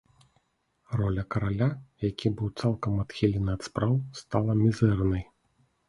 Роля караля, які быў цалкам адхілены ад спраў, стала мізэрнай.